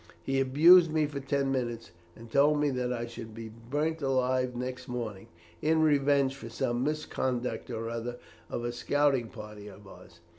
He abused me for ten minutes, and told me that I should be burnt alive next morning, in revenge for some misconduct or other of a scouting party of ours.